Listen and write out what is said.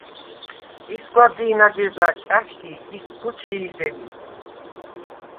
ისგვა დი̄ნაგეზლა̈ ჭა̈ში ისგუ ჩი̄ჟე ლი.